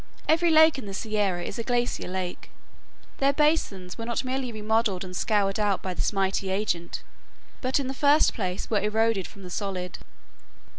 Every lake in the Sierra is a glacier lake. Their basins were not merely remodeled and scoured out by this mighty agent, but in the first place were eroded from the solid.